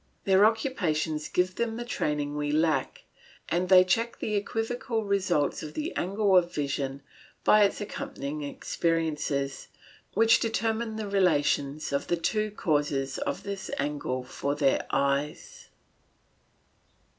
Their occupations give them the training we lack, and they check the equivocal results of the angle of vision by its accompanying experiences, which determine the relations of the two causes of this angle for their eyes.